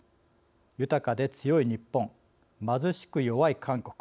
豊かで強い日本貧しく弱い韓国